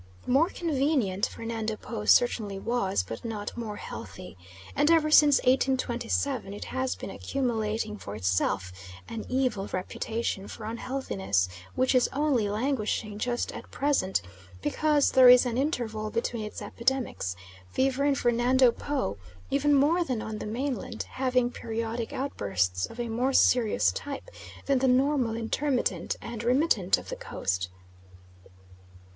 More convenient Fernando Po certainly was, but not more healthy, and ever since 1827 it has been accumulating for itself an evil reputation for unhealthiness which is only languishing just at present because there is an interval between its epidemics fever in Fernando Po, even more than on the mainland, having periodic outbursts of a more serious type than the normal intermittent and remittent of the Coast.